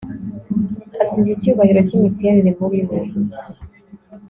Asize icyubahiro cyimiterere muriwe